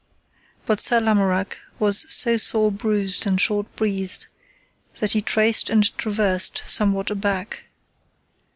But Sir Lamorak was so sore bruised and short breathed, that he traced and traversed somewhat aback.